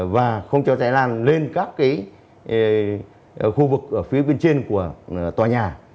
và không cho cháy lan lên các cái khu vực phía bên trên của tòa nhà